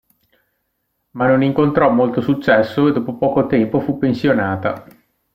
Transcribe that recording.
Ma non incontrò molto successo e dopo poco tempo fu pensionata.